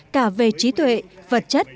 cả về trí tuệ vật chất